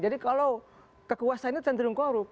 jadi kalau kekuasaannya tendering corrupt